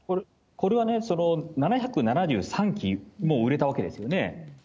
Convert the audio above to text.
これはね、７７３基もう売れたわけですよね。